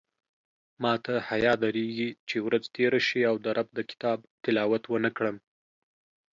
ماته حیاء درېږې چې ورځ تېره شي او د رب د کتاب تلاوت ونکړم